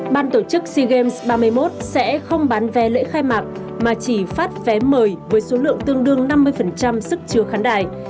ban tổ chức sea games ba mươi một sẽ không bán vé lễ khai mạc mà chỉ phát vé mời với số lượng tương đương năm mươi sức chứa khán đài